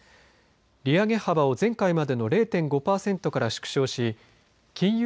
利上げ幅を前回までの０．５パーセントから縮小し金融